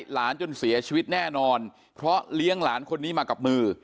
หลานจนเสียชีวิตแน่นอนเพราะเลี้ยงหลานคนนี้มากับมือ